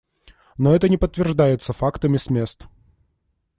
Но это не подтверждается фактами с мест.